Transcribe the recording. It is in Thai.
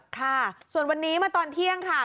ค่ะส่วนวันนี้มาตอนเที่ยงค่ะ